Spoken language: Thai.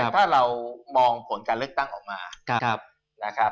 ถ้าเรามองผลหรือการเลือกตั้งออกมา